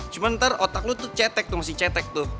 cuma ntar otak lo tuh cetek tuh masih cetek tuh